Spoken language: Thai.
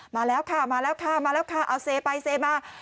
มาแล้วค่ะมาแล้วค่ะมาแล้วค่ะเอาเซไปเซมา